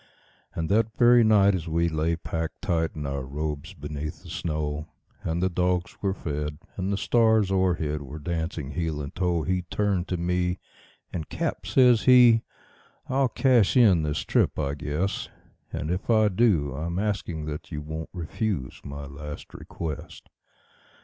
And that very night, as we lay packed tight in our robes beneath the snow, And the dogs were fed, and the stars o'erhead were dancing heel and toe, He turned to me, and "Cap," says he, "I'll cash in this trip, I guess; And if I do, I'm asking that you won't refuse my last request."